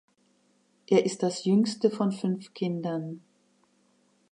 Er ist das jüngste von fünf Kindern.